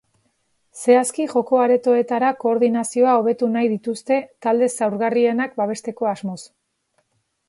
Zehazki, joko-aretoetara koordinazioa hobetu nahi dituzte, talde zaurgarrienak babesteko asmoz.